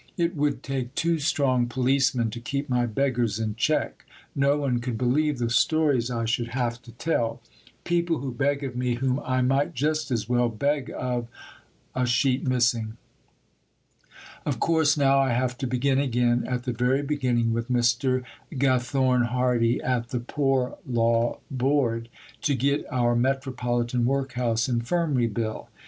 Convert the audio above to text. It would take two strong policemen to keep my beggars in check. No one could believe the stories I should have to tell people who beg of me whom I might just as well beg of ... [a sheet missing]. Of course now I have to begin again at the very beginning with Mr. Gathorne Hardy at the Poor Law Board, to get our Metropolitan Workhouse Infirmary Bill.